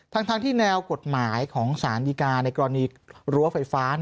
ทั้งที่แนวกฎหมายของสารดีกาในกรณีรั้วไฟฟ้า